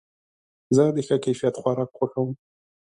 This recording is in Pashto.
زه د ښه کیفیت خوراک خوښوم.